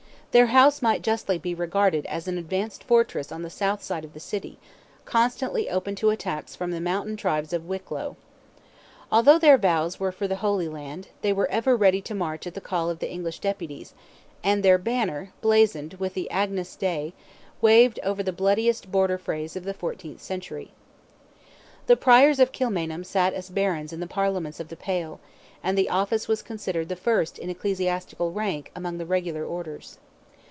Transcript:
Their house might justly be regarded as an advanced fortress on the south side of the city, constantly open to attacks from the mountain tribes of Wicklow. Although their vows were for the Holy Land, they were ever ready to march at the call of the English Deputies, and their banner, blazoned with the Agnus Dei, waved over the bloodiest border frays of the fourteenth century. The Priors of Kilmainham sat as Barons in the Parliaments of "the Pale," and the office was considered the first in ecclesiastical rank among the regular orders.